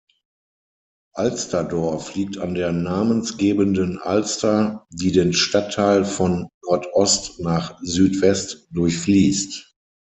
Alsterdorf liegt an der namensgebenden Alster, die den Stadtteil von Nordost nach Südwest durchfließt.